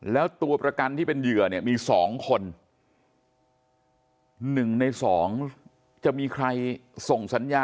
แล้วตัวประกันที่เป็นเหยื่อเนี่ยมี๒คนหนึ่งในสองจะมีใครส่งสัญญา